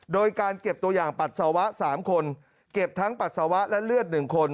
โดยการเก็บตัวอย่างปัสสาวะ๓คนเก็บทั้งปัสสาวะและเลือด๑คน